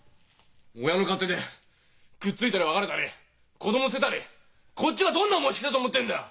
親の勝手でくっついたり別れたり子供捨てたりこっちがどんな思いしてきたと思ってんだよ！